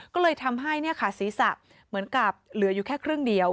ก็เลยทำให้ศีรษะเหมือนกับเหลืออยู่แค่ครึ่งเดียว